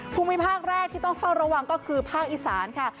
ภูมิภาคแรกที่ต้องเฝ้าระวังก็คือภาคอีสานค่ะ